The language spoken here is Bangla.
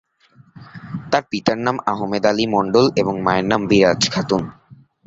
তার পিতার নাম আহমেদ আলী মন্ডল এবং মায়ের নাম বিরাজ খাতুন।